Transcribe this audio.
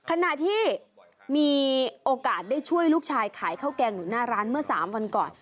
ขณะที่มีโอกาสได้ช่วยลูกชายขายข้าวแกงอยู่หน้าร้านเมื่อ๓วันก่อน